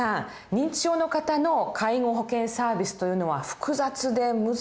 認知症の方の介護保険サービスというのは複雑で難しそうですよね。